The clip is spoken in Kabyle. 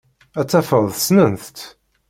Ad tafeḍ ssnent-tt.